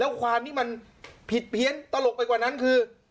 แล้วความที่มันผิดเพี้ยนตลกไปกว่านั้นคือ